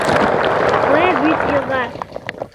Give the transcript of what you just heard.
Куэ вӱд йога.